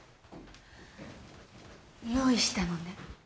用意したのね。